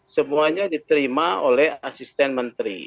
semuanya diterima oleh asisten menteri